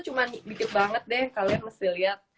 cuman dikit banget deh kalian mesti liat